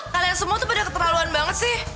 kalian semua tuh pada keterlaluan banget sih